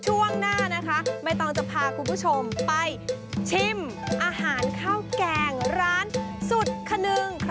ช่วงหน้านะคะไม่ต้องจะพาคุณผู้ชมไปชิมอาหารข้าวแกงร้านสุดขนึง